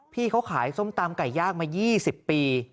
พี่เขาขายส้มตำไก่ย่างมา๒๐ปี